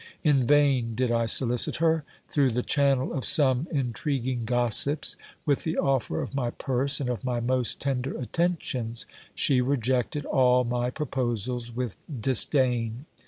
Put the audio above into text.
In vain did I solicit her, through the channel of 386 GIL BLAS. some intriguing gossips, with the offer of my purse and of my most tender at tentions ; she rejected all my proposals with disdain.